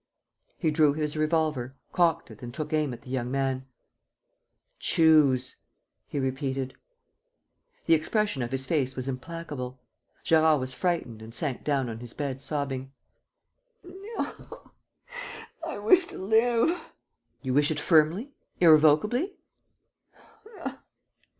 He drew his revolver, cocked it and took aim at the young man: "Choose," he repeated. The expression of his face was implacable. Gérard was frightened and sank down on his bed sobbing: "I wish to live!" "You wish it firmly, irrevocably?"